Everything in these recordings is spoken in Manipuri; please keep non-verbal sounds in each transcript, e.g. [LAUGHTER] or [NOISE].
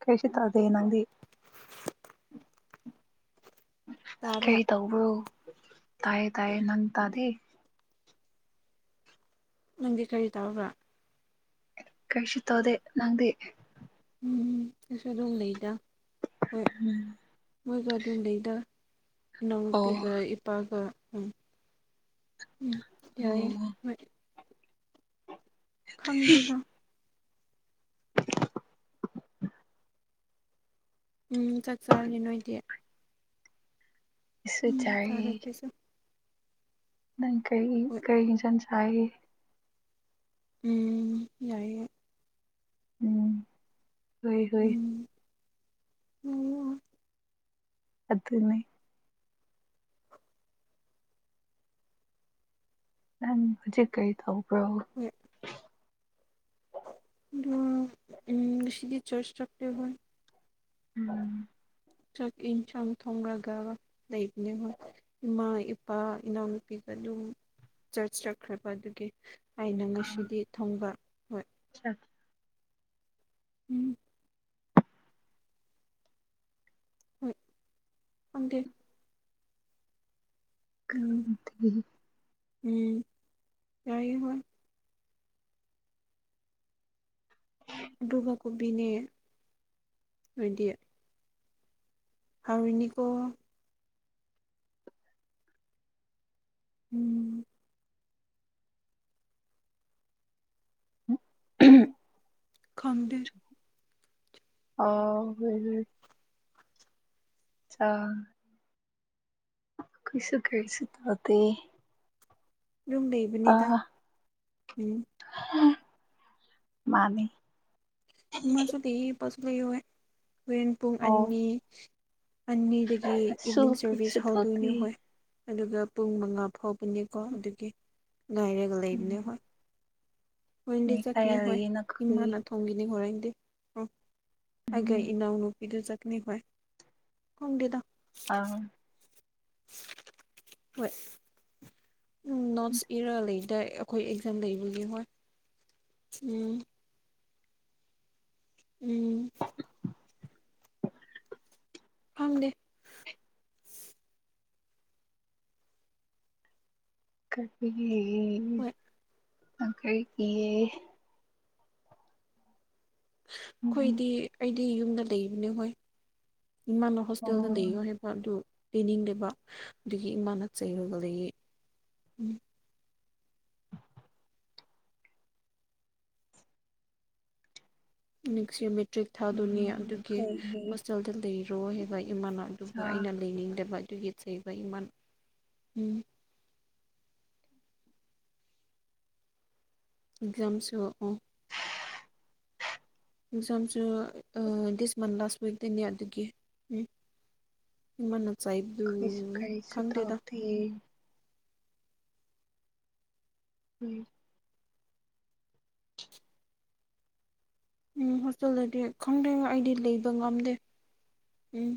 ꯀꯩꯁꯨ ꯌꯥꯎꯗꯦ ꯅꯪꯗꯤ꯫ ꯀꯩ ꯇꯥꯕ꯭ꯔꯥ ꯇꯧꯕ꯭ꯔꯣ ꯇꯌꯦ ꯇꯌꯦꯦ ꯅꯪ ꯇꯥꯗꯤ꯫ ꯅꯪꯗꯤ ꯀꯔꯤ ꯇꯔꯕ꯭ꯔꯥ ꯀꯔꯤꯁꯤ ꯇꯧꯗꯦ ꯅꯪꯗꯤ꯫ ꯎꯝꯝ ꯀꯁꯨ ꯑꯗꯨꯝ ꯂꯩꯗ ꯍꯣꯏ ꯎꯝ ꯃꯣꯏ ꯀꯗ ꯂꯩꯗ ꯏ ꯄꯤ ꯑꯣ ꯄꯒ ꯎꯝ ꯎꯝ ꯑꯣ ꯌꯥꯏ ꯍꯣꯏ ꯑꯩꯁꯨ ꯈꯪꯗꯦꯗ [INAUDIBLE] ꯎꯝ ꯆꯠ ꯆꯔꯅꯤ ꯅꯣꯏꯗꯤ꯫ ꯁꯨ ꯎꯝ ꯆꯥꯔꯦ ꯆꯥꯏ ꯑꯩꯈꯣꯏꯁꯨ ꯅꯪ ꯀꯔꯤ ꯍꯣꯏ ꯀꯔꯤ ꯏꯟꯖꯟ ꯁꯥꯏꯒ ꯎꯝ ꯌꯥꯏꯌꯦ ꯎꯝ ꯍꯣꯏ ꯍꯣꯏ ꯎꯝ ꯑꯗꯨ ꯑꯗꯨꯅꯦ ꯅꯪ ꯍꯧꯖꯤꯛ ꯀꯔꯤ ꯇꯧꯕ꯭ꯔꯣ ꯍ ꯎꯝ ꯁꯤꯤꯗꯔ ꯆꯆ ꯆꯥꯛꯇ ꯍꯣ ꯎꯝ ꯆꯥꯛ ꯏꯟꯁꯥꯡ ꯊꯣꯡꯡꯂꯒ ꯂꯩꯕꯅꯦꯕ ꯏꯃꯥ ꯏꯄꯥ ꯏꯅꯥꯎꯅꯨꯄꯤꯒ ꯑꯗꯨꯝ ꯆꯔꯆ ꯆꯠꯈ꯭ꯔꯦꯕ ꯑꯗꯨꯒꯤ ꯑꯩꯅ ꯉꯁꯤꯗꯤ ꯊꯣꯡꯕ ꯍꯣꯏ ꯑ ꯎꯝ ꯎꯝ ꯑꯣꯗꯦ ꯎꯝ ꯀ꯭ꯔꯥꯟꯇ ꯎꯝ ꯌꯥꯏ ꯍ ꯒꯥ ꯀꯧꯕꯕꯤꯅꯦ ꯍꯥꯏꯗꯤ ꯍꯥꯎꯅꯤꯀꯣ ꯎꯝ ꯎ ꯈꯪꯗꯦ ꯑ ꯍ ꯍ ꯑ ꯀꯣꯏꯁꯨ ꯀꯁꯨ ꯇꯗꯤ ꯌꯅꯨꯡꯨꯝꯗꯩ ꯑ ꯃꯥꯅꯤ ꯃꯁꯨ ꯂꯩ ꯄꯁꯨꯨ ꯂꯩꯦ ꯣꯔꯦꯟ ꯄꯨꯡ ꯑꯣ ꯑꯅꯤ ꯑꯅꯤꯗꯒꯤ ꯑꯩꯁꯨ ꯏꯚꯤꯅꯤꯡ ꯀꯩꯁꯨ ꯁꯔꯚꯤꯁ ꯍꯥꯎ ꯇꯧꯗꯦ ꯗꯨꯅꯤꯨ ꯍꯣꯏ ꯑꯗꯨꯒ ꯄꯨꯡ ꯃꯉꯥ ꯐꯥꯎꯕꯅꯦꯀꯣ ꯑꯗꯨꯒꯤ ꯉꯥꯏꯔꯒ ꯂꯩꯕꯅꯦ ꯎꯝ ꯍꯣꯏ ꯍꯟꯗꯤ ꯃꯤ ꯀꯌꯥ ꯆꯇꯅꯦ ꯍꯣꯏ ꯂꯩꯌꯦ ꯅꯈꯣꯏ ꯏꯃꯅ ꯊꯣꯡꯒꯤꯅꯤ ꯍꯣꯔꯦꯟꯗꯤ ꯎꯝ ꯑꯩꯈ ꯎꯝ ꯏꯅꯥꯎꯅꯨꯄꯤꯗꯨ ꯆꯠꯅꯤ ꯍꯣꯏ ꯀꯣꯡꯒꯦꯗ ꯑ ꯍꯣꯏ ꯎꯝ ꯅꯣꯠꯁ ꯏꯔ ꯂꯩꯗꯥ ꯑꯩꯈꯣꯏ ꯑꯦꯛꯖꯥꯝ ꯂꯩꯕꯒꯤ ꯍꯣꯏ ꯎꯝ ꯎꯝ ꯐꯪꯗꯦ ꯀ ꯍꯣꯏ ꯀꯔꯤꯒꯤ ꯎꯝ ꯑꯩꯈꯣꯏꯗꯤ ꯑꯩꯗꯤ ꯌꯨꯝꯗ ꯂꯩꯕꯅꯦ ꯍꯣꯏ ꯏꯃꯥꯅ ꯍꯣꯇꯦꯜꯗ ꯎꯝ ꯂꯩꯔꯤꯒ ꯍꯦ ꯄ ꯑꯗꯨ ꯄꯤꯅꯤꯡꯗꯕ ꯑꯗꯨꯗꯒꯤ ꯏꯃꯥꯅ ꯆꯩꯔꯨꯕꯗꯒꯤ ꯎ ꯅꯛꯁ ꯃꯦꯇ꯭ꯔꯤꯛ ꯊꯥꯗꯣꯏꯅꯦ ꯑꯗꯨꯒꯤ ꯀꯔꯤ ꯍꯣꯁꯇꯦꯜꯗ ꯂꯩꯔꯣ ꯍꯥꯏꯕ ꯏꯃꯥꯟꯅꯕ ꯑꯗꯨꯕꯨ ꯆꯥ ꯑꯩꯅ ꯂꯩꯅꯤꯡꯗꯕ ꯑꯗꯨꯒꯤ ꯆꯩꯕ ꯏꯥꯟ ꯎꯝ ꯑꯦꯛꯖꯥꯝꯁꯨꯛꯑꯣ ꯑꯦꯛꯖꯥꯝꯁꯨ ꯗꯤꯁ ꯃꯔ ꯂꯥꯁ ꯋꯤꯛꯇꯩꯅꯤ ꯌꯥ ꯑꯗꯨꯒ ꯎꯝ ꯏꯃꯅ ꯆꯥꯏꯕꯗꯨ ꯈꯪꯗꯦꯗ ꯐ ꯎꯝ ꯎꯝ ꯍꯣꯁꯇꯦꯜꯗꯗꯤ ꯈꯪꯗꯦ ꯑꯩꯗꯤ ꯂꯩꯕ ꯉꯝꯗꯦ ꯎꯝ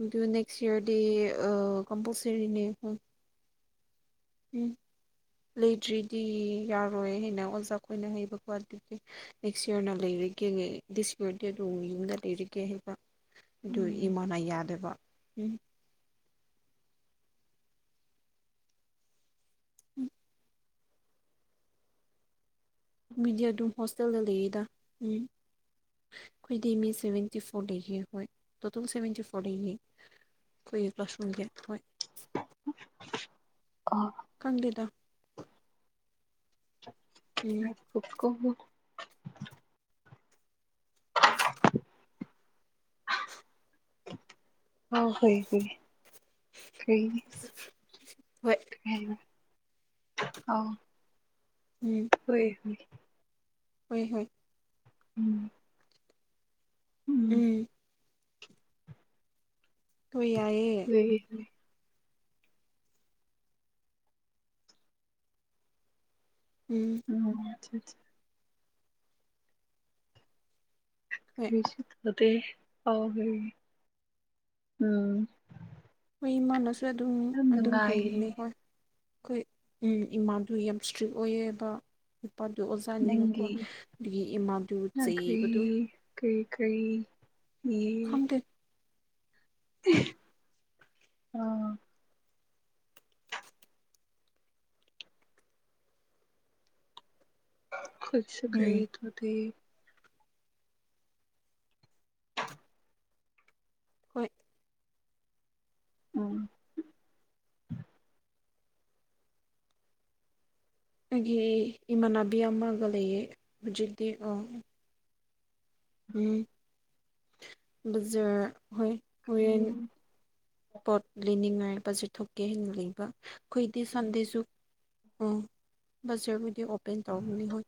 ꯑꯗꯨ ꯅꯦꯛꯁ ꯏꯌꯥꯔꯗꯤ ꯀꯝꯄꯜꯁꯔꯤꯅꯦ ꯍ ꯎꯝ ꯂꯩꯗ꯭ꯔꯤꯗꯤ ꯌꯥꯔꯣꯏ ꯍꯥꯏꯅ ꯑꯣꯖꯥꯈꯣꯏꯅ ꯍꯩꯕꯀꯣ ꯑꯗꯨꯗꯤ ꯅꯦꯛꯁꯔ ꯂꯩꯔꯔ ꯑꯗꯨ ꯌ ꯂꯩꯔꯒ ꯍꯥꯏ [UNINTELLIGIBLE] ꯑꯗꯨ ꯎꯝ ꯏꯃꯥꯅ ꯌꯥꯗꯕ ꯎꯝ ꯎꯝ ꯃꯤꯗꯤ ꯑꯗꯨꯝ ꯍꯣꯁꯇꯦꯜꯗ ꯂꯩꯔꯤꯗ ꯎꯝ ꯑꯩꯈꯣꯏꯇ ꯐꯇ ꯐ [UNINTELLIGIBLE] ꯑꯩꯈꯣꯏꯒꯤ ꯀꯥꯜꯁꯔꯨꯝꯒꯤ ꯍꯣꯏ ꯑꯣ ꯈꯪꯗꯦꯗ ꯎꯝ ꯠ ꯀ [UNINTELLIGIBLE] ꯑ ꯍꯣꯏ ꯍꫭꯏ ꯀꯩꯒꯤ ꯍꯣꯏ ꯀꯔꯤ ꯍꯥꯏꯕ ꯑꯧ ꯎꯝ ꯍꯣꯏ ꯍꯣꯏ ꯍꯣꯏ ꯍꯣꯏ ꯎꯝ ꯎꯝ ꯍꫭꯏ ꯌꯥꯏꯌꯦ ꯎ [UNINTELLIGIBLE] ꯎꯝ ꯎꯝ ꯍꯣꯏ ꯑꯥꯎ ꯍ ꯎꯝ [UNINTELLIGIBLE] ꯍꯣꯏ ꯏꯃꯥꯟꯅꯁꯨ ꯑꯗꯨꯝ ꯌꯥꯝ ꯑꯗꯨꯝ ꯅꯨꯡꯉꯥꯏꯌꯦ ꯍꯩꯕꯅꯤ‌ꯈꫭꯏ ꯑꯩꯈꯣꯏ ꯏꯃꯥꯗꯨ ꯌꯥꯝ ꯏꯁꯇ꯭ꯔꯤꯛ ꯑꯣꯏꯌꯦꯕ ꯅꯨꯄꯥꯗꯨ ꯑꯣꯖꯥꯅꯤꯅꯀꯣ ꯅꯪꯒꯤ ꯑꯗꯨꯒꯤ ꯏꯃꯥꯗꯨ ꯆꯩꯕꯗꯨ ꯀꯩ ꯀꯩ ꯌꯦ ꯈꯪꯗꯦ ꯑꯥ ꯈꯨꯁꯒꯏ ꯎꯝ ꯊꯗꯤ [UNINTELLIGIBLE] ꯍꯣꯏ ꯎꯝ ꯑꯩꯒꯤ ꯏꯃꯥꯟꯅꯕꯤ ꯑꯃꯒ ꯂꯩꯌꯦ ꯍꯧꯖꯤꯛꯇꯤ ꯑꯣ ꯎꯝ ꯕꯖꯔ ꯍꯣꯏ ꯍꯔ‌ꯦꯟ ꯄꯣꯠ ꯂꯩꯅꯤꯡꯉꯥꯏ ꯕꯖꯔ ꯊꯣꯛꯀꯦ ꯍꯥꯏꯅ ꯂꯩꯕ ꯑꯩꯈꯣꯏꯗꯤ ꯁꯟꯗꯦꯁꯨ ꯎꯝ ꯕꯖꯔꯕꯨꯗꯤ ꯑꯣꯄꯦꯟ ꯇꯧꯒꯅꯤ ꯍꯣꯏ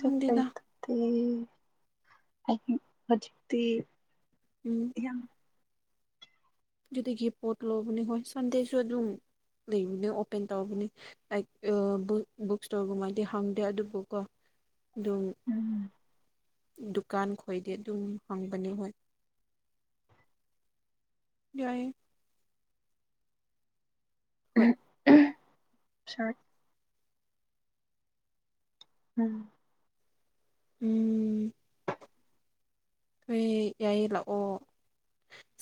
ꯈꯪꯗꯦꯗ ꯍꯧꯖꯤꯛꯇꯗꯤ [UNINTELLIGIBLE] ꯎꯝ ꯌꯥꯝ ꯑꯗꯨꯗꯒꯤ ꯄꯣꯠ ꯂꯧꯕꯅꯦ ꯍꯣꯏ ꯁꯟꯗꯦꯁꯨ ꯑꯗꯨꯝ ꯂꯩꯕꯅꯦ ꯑꯣꯄꯦꯟ ꯇꯧꯕꯅꯤ ꯑꯥ ꯕꯨ ꯕꯨꯛ ꯏꯁꯇꯣꯔꯒꯨꯝꯃꯗꯤ ꯍꯪꯗꯦ ꯑꯗꯨꯕꯨꯀꯣ ꯑꯗꯨꯝ ꯎꯝ ꯗꯨꯀꯥꯟ ꯈꯣꯏꯗꯤ ꯑꯗꯨꯝ ꯍꯪꯕꯅꯤ ꯍꯣꯏ ꯌꯥꯏꯌ‌ꯦ ꯍꯣꯏ ꯁꯥꯔꯠ [UNINTELLIGIBLE] ꯎꯝ ꯎꯝ ꯍꯣꯏ ꯌꯥꯏꯌꯦ ꯂꯥꯛꯑꯣ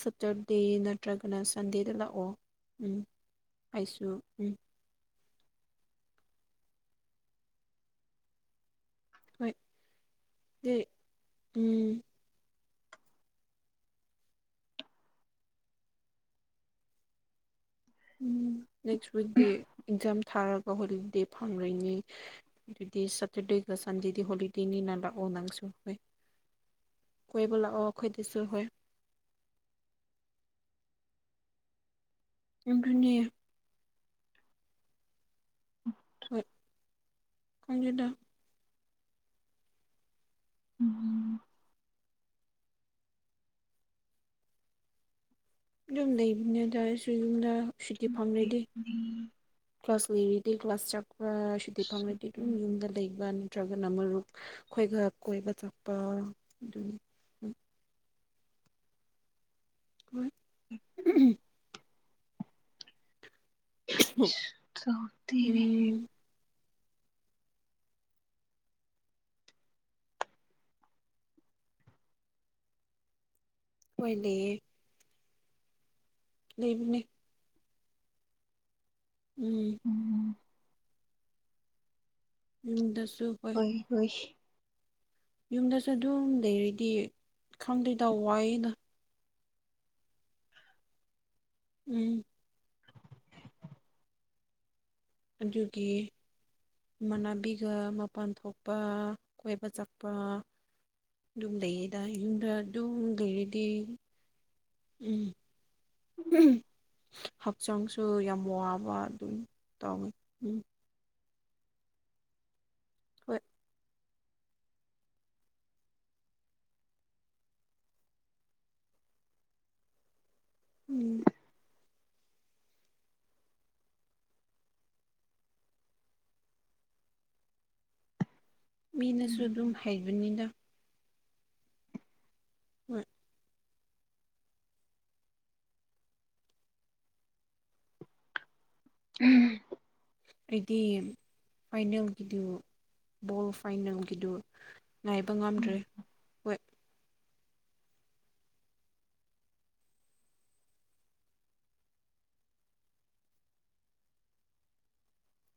ꯁꯇꯔꯗꯦ ꯅꯠꯇ꯭ꯔꯒꯅ ꯁꯟꯗꯦꯗ ꯂꯥꯛꯑꯣ ꯎꯝ ꯑꯩꯁꯨ ꯎꯝ ꯍꯣꯏ ꯗꯤ ꯎꯝ ꯎꯝ ꯅꯦꯛꯁ ꯋꯤꯛ ꯗꯦ ꯑꯦꯛꯖꯥꯝ ꯊꯥꯔꯒ ꯍꯣꯂꯤꯗꯦ ꯐꯪ꯭ꯔꯤꯅꯤ ꯑꯗꯨꯗꯤ ꯁꯇꯔꯗꯦꯒ ꯁꯟꯗꯦꯗꯤ ꯍꯣꯂꯤꯗꯦꯅꯤꯅ ꯂꯥꯛꯑꯣ ꯅꯪꯁꯨ ꯍꯣꯏ ꯀꫭꯏꯕ ꯂꯥꯛꯑꯣ ꯑꯩꯈꯣꯏꯗꯁꯨ ꯍꯣꯏ ꯑꯗꯨꯅꯦ ꯍꯣꯏ ꯈꯪꯗꯦꯗ ꯎꯝꯝ ꯌꯨꯝ ꯂꯩꯕꯅꯦ ꯑꯗꯥꯏꯗꯁꯨ ꯌꯨꯝꯗ ꯁꯨꯇꯤ ꯐꯥꯝ ꯂꯩꯗꯦ ꯀ꯭ꯂꯥꯁ ꯂꯩꯔꯗꯤ ꯀ꯭ꯂꯥꯁ ꯆꯥꯛꯄ ꯁꯨꯇꯤ ꯐꯪꯉꯗꯤ ꯑꯗꯨꯝ ꯌꯨꯝꯗ ꯂꯩꯕꯅꯦ ꯅꯠꯇ꯭ꯔꯒꯅ ꯃꯔꯨꯞ ꯑꯩꯈꯣꯏꯒ ꯀꯣꯏꯕ ꯆꯠꯄ ꯑꯗꯨꯅꯤ ꯍꫭꯏ [UNINTELLIGIBLE] ꯇꯥꯎꯔꯛꯇꯦꯅꯦꯍꯦ ꯎꯝ ꯍꯥꯏꯅꯦꯍꯦ ꯂꯩꯕꯅꯦ ꯎꯝ ꯌꯨꯝꯗꯁꯨ ꯄꯥꯛ ꯑꯩꯈꫭꯏꯁꯦ ꯌꯨꯝꯗꯁꯨ ꯑꯗꯨꯝ ꯂꯩꯔꯗꯤ ꯈꯪꯗꯦꯏꯗ ꯋꯥꯏꯌꯦꯗꯥ ꯎꯝ ꯑꯗꯨꯒꯤ ꯏꯃꯥꯟꯅꯅꯥꯕꯤꯒ ꯃꯄꯥꯟ ꯊꯣꯛꯄ ꯀꯣꯏꯕ ꯆꯠꯄ ꯑꯗꯨꯝ ꯂꯩꯌꯦꯗ ꯌꯨꯝꯗ ꯑꯗꯨꯝ ꯂꯩꯔꯗꯤ ꯎꯝ ꯍꯛꯆꯥꯡꯁꯨ ꯌꯥꯝ ꯋꯥꯕ ꯑꯗꯨꯝ ꯇꯧꯏꯤ ꯎꯝ ꯍꯣꯏ ꯎꯝ ꯃꯤꯅꯁꯨ ꯎꯝ ꯑꯗꯨꯝ ꯍꯩꯕꯅꯤꯗꯥ ꯍꫭꯠ ꯎꯝ ꯑꯩꯗꯤ ꯐꯥꯏꯅꯦꯜꯒꯤꯗꯨ ꯕꯣꯜ ꯐꯥꯏꯅꯦꯜꯒꯤꯗꯨ ꯉꯥꯏꯕ ꯍꯣꯏ ꯉꯝꯗ꯭ꯔꯦ ꯍꯣꯏ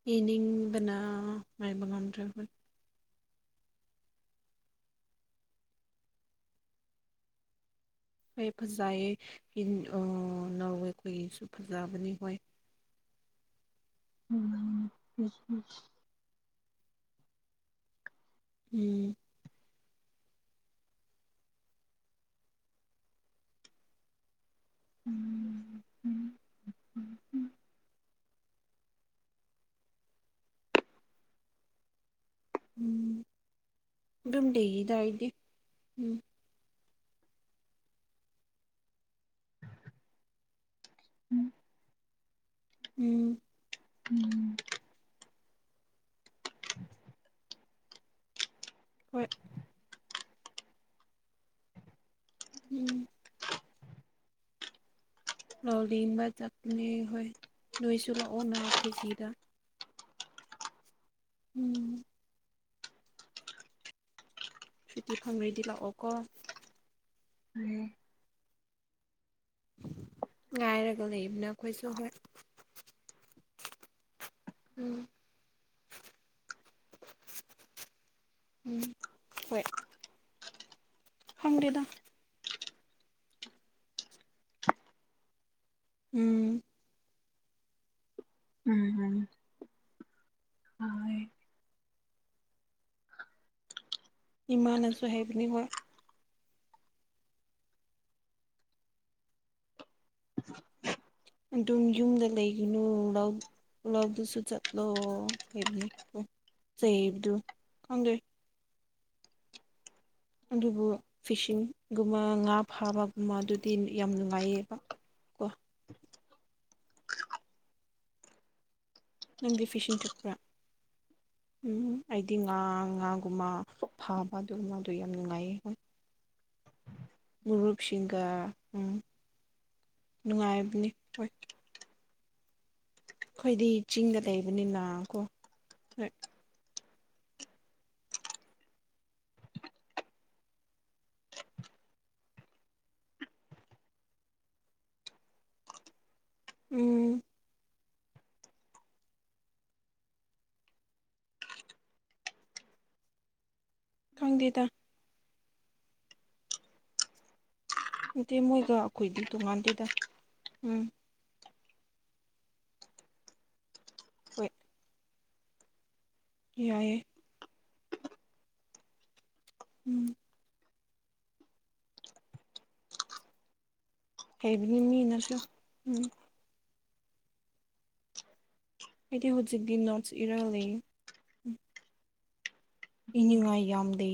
ꯌꯦꯡꯅꯤꯡꯕꯅ ꯉꯥꯏꯕ ꯉꯝꯗ꯭ꯔꯕ ꯑꯩꯈꫭꯏ ꯍꯣꯏ ꯐꯖꯌꯦ ꯅꯅꫭꯠꯋꯦ ꯑꯩꯈꯣꯏꯒꯤꯁꯨ ꯐꯖꯕꯅꯤ ꯍꯣꯏ ꯎꯝ [UNINTELLIGIBLE] ꯎꯝ ꯎꯝ ꯎꯝ ꯎꯝ ꯎꯝ ꯎꯝ ꯑꯗꯨꯝ ꯗꯦꯒꯤꯗꯏꯗꯤ ꯎꯝ ꯎꯝ ꯎꯝ ꯎꯝ ꯍꯣꯏ ꯎꯝ ꯂꯥꯎ ꯂꯕ ꯆꯠꯄꯅꯦ ꯍꯣꯏ ꯅꯣꯏꯁꯨ ꯂꯥꯛꯑꯣ ꯅ ꯑꯩꯈꯣꯏ ꯁꯤꯗ ꯎꯝ ꯁꯨꯇꯤ ꯐꯪ꯭ꯈꯔꯗꯤ ꯂꯥꯛꯑꯣ ꯀꯣ [UNINTELLIGIBLE] ꯉꯥꯏꯔꯒ ꯂꯩꯕꯅꯦ ꯑꯩꯈꫭꯏꯁꯨ ꯍꫭꯏ ꯎꯝ ꯎꯝ ꯍꯣꯏ ꯐꯪꯗꯦꯗ ꯎꯝ ꯎꯝ ꯎꯝ [UNINTELLIGIBLE] ꯏꯃꯥꯅꯁꯨ [UNINTELLIGIBLE] [UNINTELLIGIBLE] ꯑꯗꯨꯝ ꯌꯨꯝꯗ ꯂꯩꯒꯤꯅꯨ ꯂꯧꯗꯨꯁꯨ ꯆꯠꯂꯣ ꯏꯕꯅꯤꯡ [UNINTELLIGIBLE] ꯑꯗꯨꯕꯨ ꯐꯤꯁꯤꯡꯒꯨꯝꯕ ꯉꯥ ꯐꯥꯕꯒꯨꯝꯕ ꯑꯗꯨꯗꯤ ꯌꯥꯝ ꯅꯨꯡꯉꯥꯏꯌꯦꯕ ꯀꯣ ꯅꯪꯗꯤ ꯐꯤꯁꯤꯡ ꯆꯠꯄ꯭ꯔꯥ ꯎꯝ ꯑꯩꯗꯤ ꯉꯥ ꯉꯥꯒꯨꯝꯕ ꯐꯥꯕ ꯑꯗꯨ ꯉꯥꯗꯣ ꯌꯥꯝ ꯅꯨꯡꯉꯥꯏꯌꯦ ꯍꯣꯏ ꯃꯔꯨꯔꯨꯞꯁꯤꯡꯒ ꯎꯝ ꯅꯨꯡꯉꯥꯏꯕꯅꯤ ꯍꯣꯏ ꯑꯩꯈꯣꯏꯗꯤ ꯆꯤꯡꯒ ꯂꯩꯕꯅꯤꯅ ꯀꯣ ꯍꯣꯏ ꯎꯝ ꯈꯪꯗꯦꯗ ꯅꯠꯇꯦ ꯃꯣꯏꯒ ꯑꯩꯈꯣꯏꯗꯤ ꯇꯣꯡꯉꯥꯟꯗꯦꯗ ꯎꯝ ꯍꯣꯏ ꯌꯥꯏꯌꯦ ꯎꯝ ꯍꯩꯕꯅꯤ ꯃꯤꯅꯁꯨ ꯎꯝ [UNINTELLIGIBLE] ꯍꯥꯏꯗꯤ ꯍꯧꯖꯤꯛꯇꯤ ꯅꯣꯠꯁ ꯏꯔꯂꯦ ꯏꯅꯤꯉꯥꯏ ꯌꯥꯝꯗꯦ